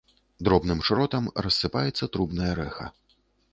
Дробным шротам рассыпаецца трубнае рэха.